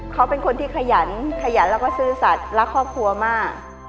เขาเป็นคนที่ขยันขยันแล้วก็ซื่อสัตว์รักครอบครัวมาก